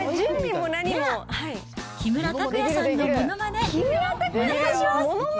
では、木村拓哉さんのものまね、お願いします。